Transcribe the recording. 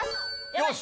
よし！